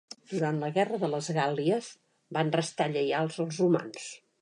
Durant la Guerra de les Gàl·lies van restar lleials als romans.